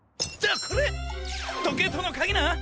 じゃあこれ。とけいとうのかぎな。